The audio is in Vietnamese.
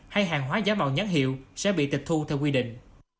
hay hàng hóa giá màu nhắn hiệu sẽ bị tịch thu theo quy định